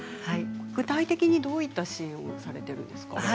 どういった支援をされているんですか？